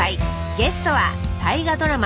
ゲストは大河ドラマ